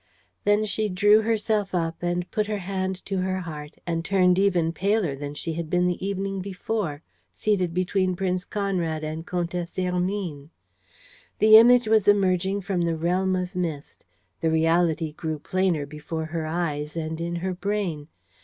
Then she drew herself up and put her hand to her heart and turned even paler than she had been the evening before, seated between Prince Conrad and Comtesse Hermine. The image was emerging from the realm of mist; the reality grew plainer before her eyes and in her brain.